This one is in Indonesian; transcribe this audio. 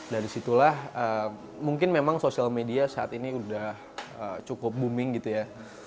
dari situlah mungkin memang social media saat ini sudah cukup booming gitu ya